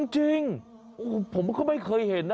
จริงผมก็ไม่เคยเห็นนะ